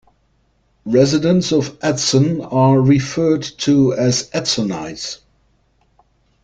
Residents of Edson are referred to as Edsonites.